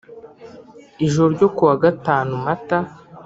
ijoro ryo kuwa gatanu mata